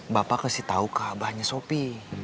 bapak kasih tahu ke abahnya sopi